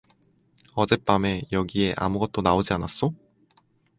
어젯밤에 여기에 아무것도 나오지 않았소?